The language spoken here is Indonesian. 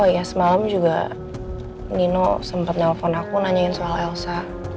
ya semalam juga nino sempat nelfon aku nanyain soal elsa